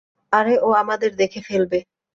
আরে, ও আমাদের দেখে ফেলবে।